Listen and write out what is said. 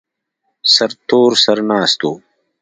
سرتور سر ناست و.